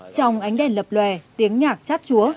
trong ánh đèn lập lòe tiếng nhạc chát chúa